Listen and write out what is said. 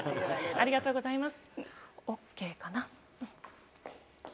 ありがとうございます。